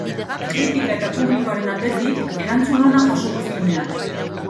Kritika eta publikoaren aldetik, erantzun ona jaso du filmeak.